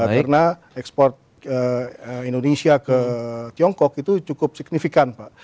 karena ekspor indonesia ke tiongkok itu cukup signifikan pak